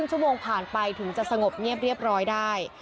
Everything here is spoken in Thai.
ชั่วโมงผ่านไปถึงจะสงบเงียบเรียบร้อยได้